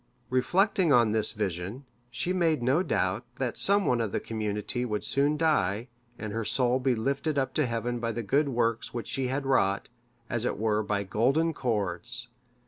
Reflecting on this vision, she made no doubt that some one of the community would soon die, and her soul be lifted up to heaven by the good works which she had wrought, as it were by golden cords.